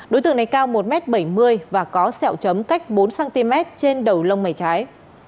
đối tượng này cao một m bảy mươi và có sẹo chấm cách bốn cm trên đầu lông mẩy trái